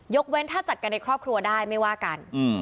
เว้นถ้าจัดกันในครอบครัวได้ไม่ว่ากัน